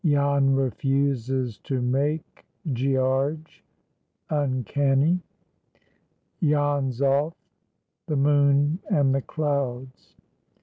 —JAN REFUSES TO "MAKE GEARGE."—UNCANNY.—"JAN'S OFF." THE MOON AND THE CLOUDS.